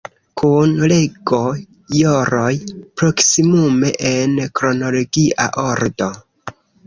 Kun rego-joroj; proksimume en kronologia ordo.